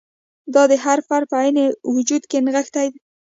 دا د هر فرد په عیني وجود کې نغښتی.